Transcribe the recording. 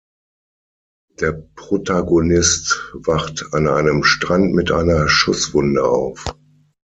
Der Protagonist wacht an einem Strand mit einer Schusswunde auf.